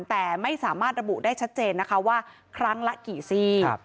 แต่ไม่สามารถระบุได้ชัดเจนนะคะว่าครั้งละกี่ซี่